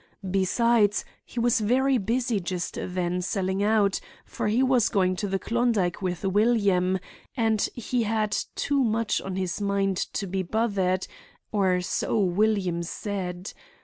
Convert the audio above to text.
Besides, he was very busy just then selling out, for he was going to the Klondike with William, and he had too much on his mind to be bothered, or so William said.